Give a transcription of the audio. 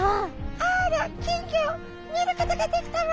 「あら金魚見ることができたわ」。